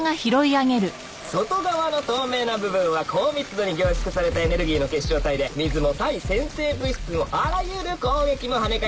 外側の透明な部分は高密度に凝縮されたエネルギーの結晶体で水も対先生物質もあらゆる攻撃もはね返す